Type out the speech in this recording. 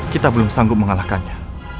kita belum sanggup mengalahkannya